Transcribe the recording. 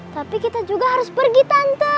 tapi kita juga harus pergi tante